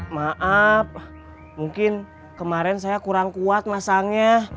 maaf mungkin kemarin saya kurang kuat masangnya